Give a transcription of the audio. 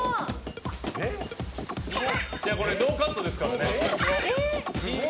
ノーカットですからね。